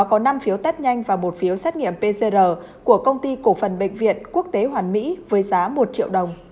có năm phiếu test nhanh và một phiếu xét nghiệm pcr của công ty cổ phần bệnh viện quốc tế hoàn mỹ với giá một triệu đồng